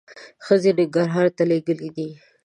ښځې ننګرهار ته لېږلي دي.